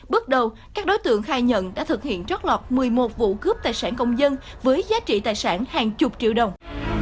bước đầu các đối tượng khai nhận đã thực hiện trót lọt một mươi một vụ cướp tài sản công dân với giá trị tài sản hàng chục triệu đồng